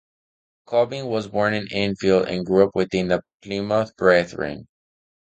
Cobbing was born in Enfield and grew up within the Plymouth Brethren.